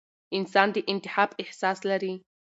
انسان د انتخاب احساس لري.